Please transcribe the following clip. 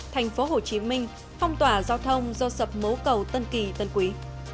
thành phố hồ chí minh phong tỏa giao thông do sập mố cầu tân kỳ tân quý